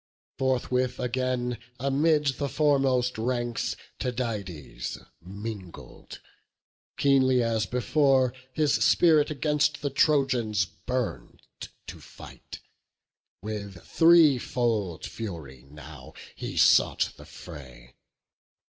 Forthwith again amid the foremost ranks Tydides mingled; keenly as before His spirit against the Trojans burn'd to fight, With threefold fury now he sought the fray.